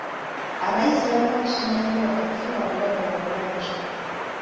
Abayizi balina okusoma ennyo okufuna obubonero obulungi.